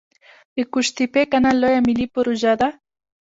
د قوش تیپې کانال لویه ملي پروژه ده